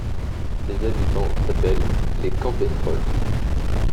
Ses habitants s'appellent les Campestrols.